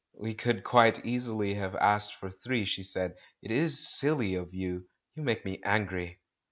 "We could quite easily have asked for three," she said. "It is silly of you! You make me angry."